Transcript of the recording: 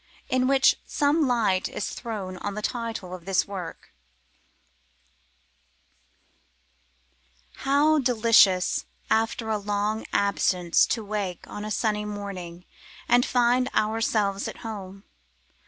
In Which Some Light Is Thrown on the Title of This Work. HOW delicious after a long absence to wake on a sunny morning and find ourselves at home!